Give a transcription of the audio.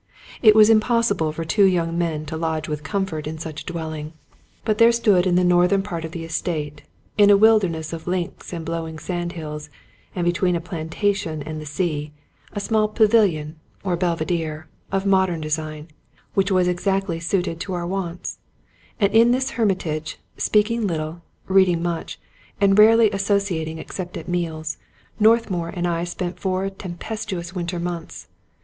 It was impossible for two young men to lodge with comfort 155 Scotch Mystery Stories in such a dwelling. But there stood in the northern part of the estate, in a wilderness of links and blowing sand hills, and between a plantation and the sea, a small pavilion or belvedere, of modem design, which was exactly suited to our wants; and in this hermitage, speaking little, reading much, and rarely associating except at meals, Northmour and I spent four tempestuous winter months.